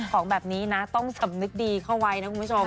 ของแบบนี้นะต้องสำนึกดีเข้าไว้นะคุณผู้ชม